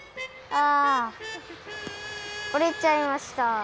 折れちゃいました。